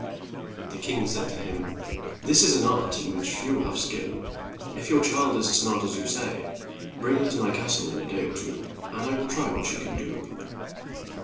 '' The king said to him, "That is an art in which few have skill ; if your child is as smart as you say, bring her to my cas tle in a day or two, and I will try what she can do."